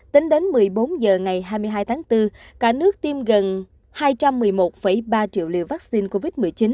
tính đến một mươi bốn h ngày hai mươi hai tháng bốn cả nước tiêm gần hai trăm một mươi một ba triệu liều vaccine covid một mươi chín